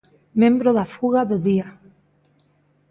Membro da fuga do día.